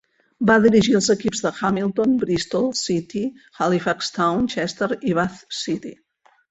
Va dirigir els equips de Hamilton, Bristol City, Halifax Town, Chester i Bath City.